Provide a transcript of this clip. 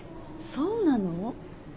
そうなの？